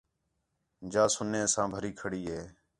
جا سُنّے ساں بھری کھڑی ہے